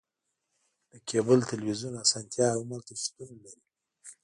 د کیبل تلویزیون اسانتیا هم هلته شتون لري